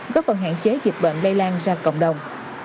góp phần hạn chế dịch bệnh lây lan ra cộng đồng